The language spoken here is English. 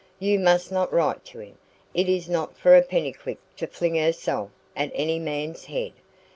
"You must not write to him. It is not for a Pennycuick to fling herself at any man's head.